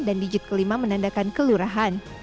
dan digit kelima menandakan kelurahan